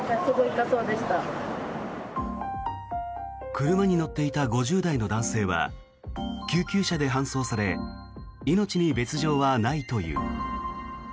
車に乗っていた５０代の男性は救急車で搬送され命に別条はないという。